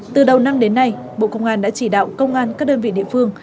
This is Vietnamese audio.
từ đầu năm đến nay bộ công an đã chỉ đạo công an các đơn vị địa phương